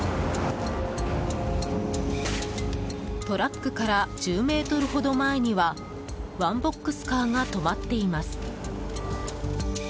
トラックから１０ｍほど前にはワンボックスカーが止まっています。